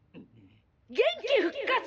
元気復活！！